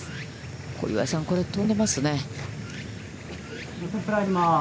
小祝さん、これは飛んでますね。